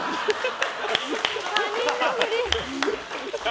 他人のふり。